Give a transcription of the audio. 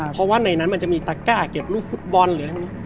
เพราะว่าในนั้นมันจะมีตั๊กก้าเก็บรูปฮุดบอล